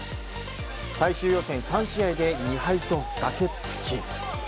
最終予選３試合で２敗と崖っぷち。